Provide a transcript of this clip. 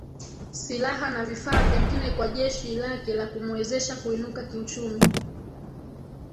silaha na vifaa vingine kwa jeshi lake la kumuwezesha kuinuka kiuchumi